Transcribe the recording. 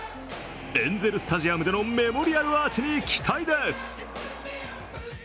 エンゼルスタジアムでのメモリアルアーチに期待です。